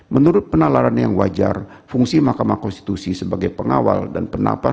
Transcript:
menurut penalaran yang wajar fungsi mahkamah konstitusi sebagai pengawal dan penapas